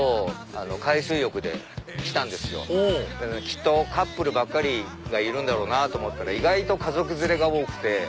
きっとカップルばっかりがいるんだろうなと思ったら意外と家族連れが多くて。